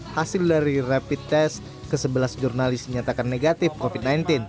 hasil dari rapid test ke sebelas jurnalis menyatakan negatif covid sembilan belas